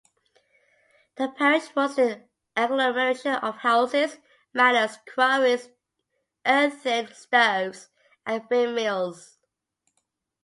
The parish was an agglomeration of houses, manors, quarries, earthen stoves and windmills.